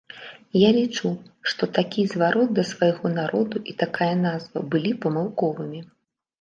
Я лічу, што такі зварот да свайго народу і такая назва былі памылковымі.